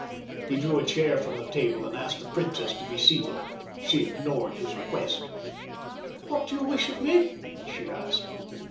He drew a chair from the table and asked the princess to be seated. She ignored his request. "What do you wish of me?" she asked.